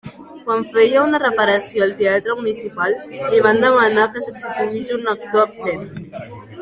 Quan feia una reparació al teatre municipal, li van demanar que substituís un actor absent.